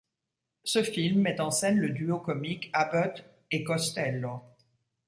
Ce film met en scène le duo comique Abbott et Costello.